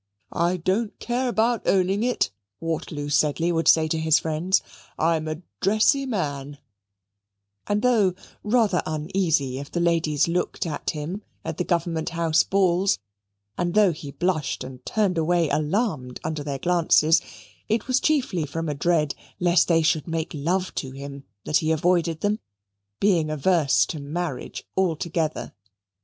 "I don't care about owning it," Waterloo Sedley would say to his friends, "I am a dressy man"; and though rather uneasy if the ladies looked at him at the Government House balls, and though he blushed and turned away alarmed under their glances, it was chiefly from a dread lest they should make love to him that he avoided them, being averse to marriage altogether.